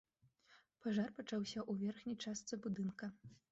Пажар пачаўся ў верхняй частцы будынка.